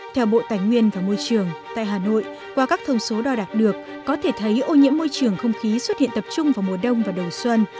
theo bộ tài nguyên và môi trường tại hà nội qua các thông số đo đạt được có thể thấy ô nhiễm môi trường không khí xuất hiện tập trung vào mùa đông và đầu xuân